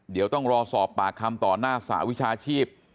เดี๋ยวต้องรอสอบปากคำต่อหน้าสหวิชาชีพ